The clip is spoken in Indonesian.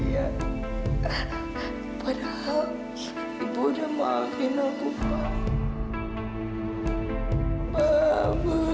jadi aku mau tamangiper tak bisa